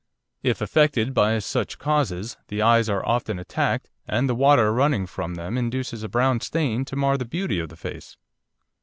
If affected by such causes, the eyes are often attacked, and the water running from them induces a brown stain to mar the beauty of the face.